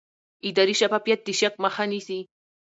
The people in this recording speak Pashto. اداري شفافیت د شک مخه نیسي